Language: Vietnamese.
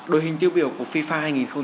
đội hình tiêu biểu của fifa